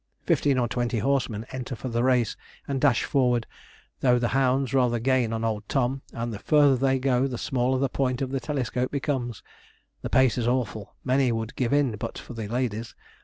Fifteen or twenty horsemen enter for the race, and dash forward, though the hounds rather gain on old Tom, and the further they go the smaller the point of the telescope becomes. The pace is awful; many would give in but for the ladies.